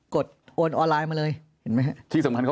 เพราะอาชญากรเขาต้องปล่อยเงิน